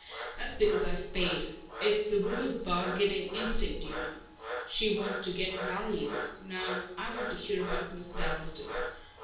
That's because I've paid. It's the woman's bargaining instinct, you know. She wants to get value.... Now I want to hear about Miss Dalstan.